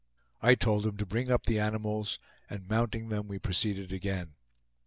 I told him to bring up the animals, and mounting them we proceeded again.